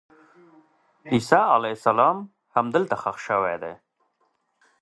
عیسی علیه السلام همدلته ښخ شوی دی.